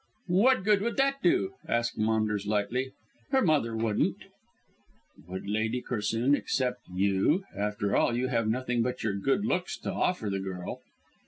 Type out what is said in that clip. "What good would that do?" asked Maunders lightly; "Her mother wouldn't." "Would Lady Corsoon accept you? After all, you have nothing but your good looks to offer the girl."